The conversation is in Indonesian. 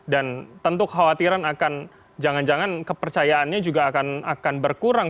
dan tentu kekhawatiran akan jangan jangan kepercayaannya juga akan berkurang